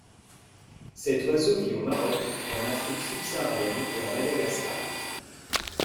Cet oiseau vit au Maroc, en Afrique subsaharienne et à Madagascar.